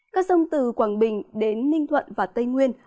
các sông từ quảng bình đến ninh thuận và tây nguyên